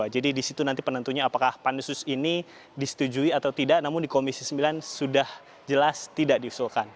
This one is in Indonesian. jadi disitu nanti penentunya apakah pansus ini disetujui atau tidak namun di komisi sembilan sudah jelas tidak diusulkan